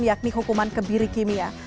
yakni hukuman kebiri kimia